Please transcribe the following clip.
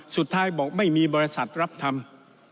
สุดท้ายบอกไม่มีบริษัทรับทำ